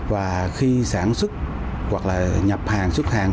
và khi sản xuất hoặc là nhập hàng xuất hàng